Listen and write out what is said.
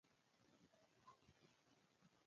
اخلاق د انسان اصلي زینت دی.